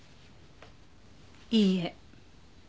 いいえ。